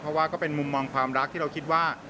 เพราะว่าก็เป็นมุมมองความรักที่เราคิดว่า